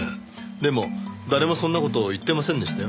でも誰もそんな事を言ってませんでしたよ。